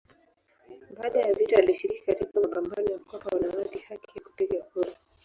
Baada ya vita alishiriki katika mapambano ya kuwapa wanawake haki ya kupiga kura.